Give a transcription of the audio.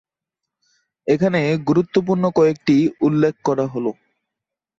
এখানে গুরুত্বপূর্ণ কয়েকটি উল্লেখ করা হলো।